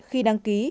khi đăng ký